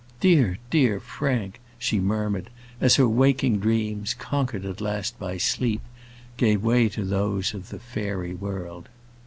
"Dear, dear Frank" she murmured, as her waking dreams, conquered at last by sleep, gave way to those of the fairy world.